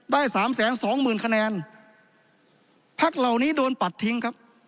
ได้สามแสนสองหมื่นคะแนนพักเหล่านี้โดนปัดทิ้งครับ